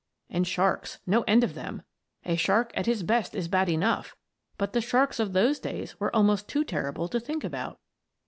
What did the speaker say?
And sharks no end of them! A shark at his best is bad enough, but the sharks of those days were almost too terrible to think about.